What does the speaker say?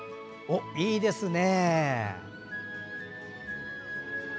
いいですね。